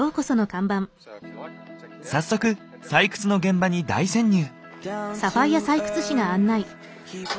早速採掘の現場に大潜入！